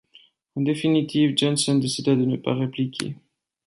En définitive, Johnson décida de ne pas répliquer.